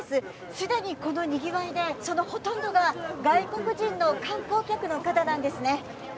すでにこのにぎわいでそのほとんどが外国人の観光客の方なんですね。